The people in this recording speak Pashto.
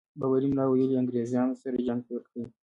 بابړي ملا ویلي انګرېزانو سره جنګ پيل کړي.